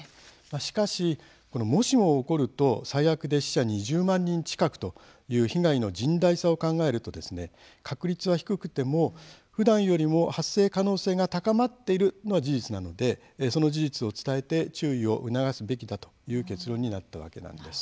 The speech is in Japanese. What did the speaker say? しかし、もしも起こると最悪で死者２０万人近くという被害の甚大さを考えると確率は低くても、ふだんよりも発生可能性が高まっているのは事実なので、その事実を伝えて注意を促すべきだという結論になったわけなんです。